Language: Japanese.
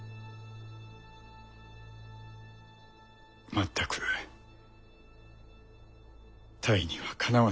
全く泰にはかなわぬな。